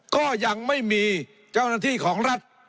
ก็ยังไม่มีเจ้าหน้าที่ของรัฐ